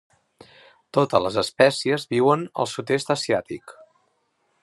Totes les espècies viuen al sud-est asiàtic.